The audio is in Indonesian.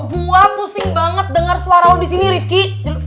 gue pusing banget denger suara lo disini rifki